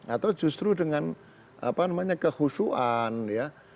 atau justru dengan apa namanya kehusuan ya